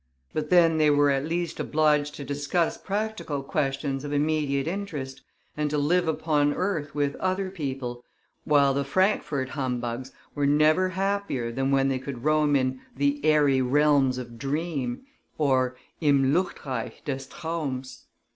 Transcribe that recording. But then they were at least obliged to discuss practical questions of immediate interest, and to live upon earth with other people, while the Frankfort humbugs were never happier than when they could roam in "the airy realms of dream," im Luftreich des Traums.